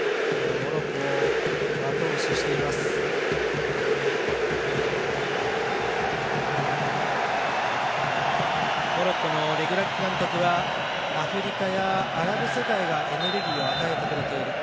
モロッコのレグラギ監督はアフリカやアラブ世界がエネルギーを与えてくれている。